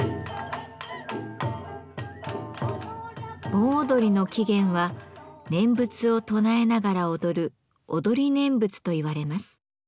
盆踊りの起源は念仏を唱えながら踊る踊り念仏といわれます。